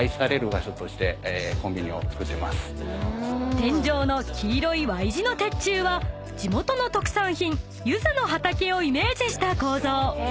［天井の黄色いＹ字の鉄柱は地元の特産品柚子の畑をイメージした構造］